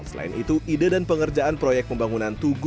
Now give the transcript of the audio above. selain itu ide dan pikiran tugu pamulang